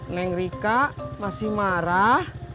neng rika masih marah